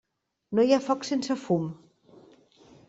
No hi ha foc sense fum.